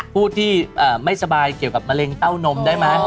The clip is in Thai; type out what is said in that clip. ผู้ที่ไม่สบายเกี่ยวกับมะเร็งเต้านมได้ไหม